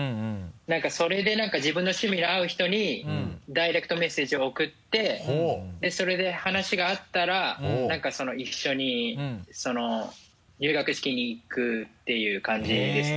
それで何か自分の趣味の合う人にダイレクトメッセージを送ってそれで話が合ったら何か一緒にその入学式に行くっていう感じですね。